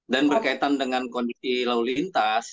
dan berkaitan dengan kondisi lalu lintas